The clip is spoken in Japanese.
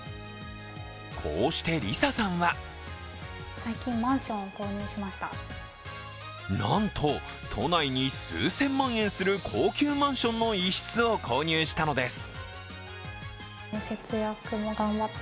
こうして、りささんはなんと都内に数千まん延する高級マンションの一室を購入したのです。